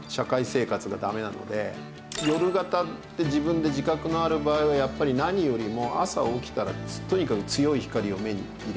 夜型って自分で自覚のある場合はやっぱり何よりも朝起きたらとにかく強い光を目に入れる。